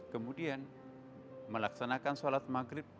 kemudian melaksanakan shalat maghrib